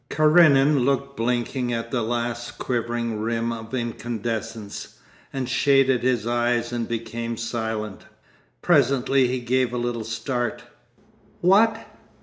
Karenin looked blinking at the last quivering rim of incandescence, and shaded his eyes and became silent. Presently he gave a little start. 'What?